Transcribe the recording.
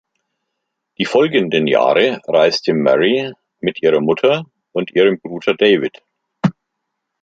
Die folgenden Jahre reiste Mary mit ihrer Mutter und ihrem Bruder David.